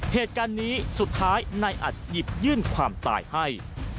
เหตุการณ์นี้สุดท้ายนายอัดหยิบยื่นความตายให้